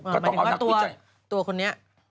หมายถึงตัวคนเนี่ย